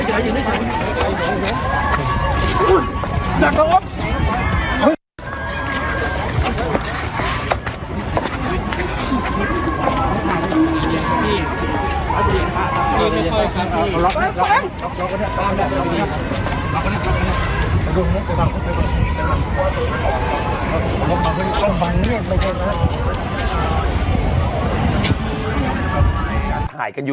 อุ้ยจังหวัด